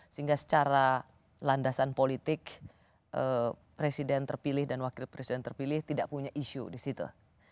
sehingga secara landasan politik presiden terpilih dan wakil presiden terpilih tidak punya isu di situ